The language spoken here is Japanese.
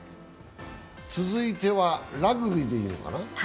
続いてはラグビーでいいのかな。